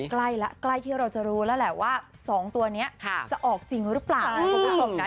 ใกล้ที่เราจะรู้แล้วแหละว่า๒ตัวนี้จะออกจริงหรือเปล่า